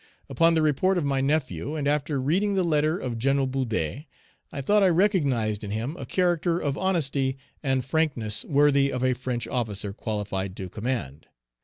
Upon the report of my nephew, and after reading the letter of Gen. Boudet, I thought I recognized in him a character of honesty and frankness worthy of a French officer qualified to command.